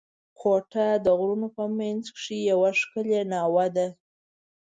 کوټه د غرونو په منځ کښي یوه ښکلې ناوه ده.